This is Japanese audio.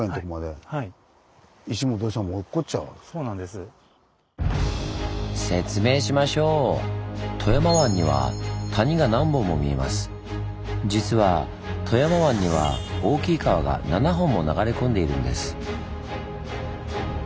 実は富山湾には大きい川が７本も流れ込んでいるんです。